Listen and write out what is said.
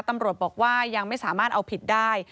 ตำรวจบอกว่ายังไม่สามารถเอาผิดได้